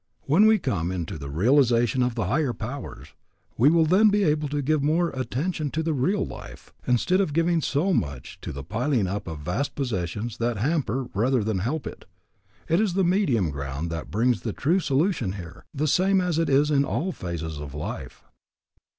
When we come into the realization of the higher powers, we will then be able to give more attention to the real life, instead of giving so much to the piling up of vast possessions that hamper rather than help it. It is the medium ground that brings the true solution here, the same as it is in all phases of life.